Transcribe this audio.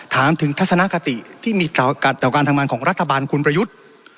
ถามถึงทัศนคติที่มีต่อการทำงานของรัฐบาลคุณประยุทธ์